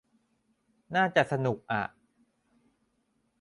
น่าจะสนุกอ่ะ